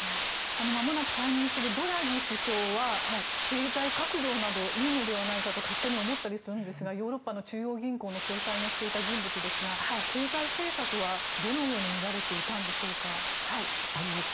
まもなく退任するドラギ首相は経済閣僚などいいのではないかと勝手に思ったりするんですがヨーロッパの中央銀行の総裁もしていた人物ですが経済政策はどのように見られていたんでしょうか。